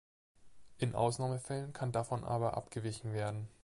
In Ausnahmefällen kann davon aber abgewichen werden.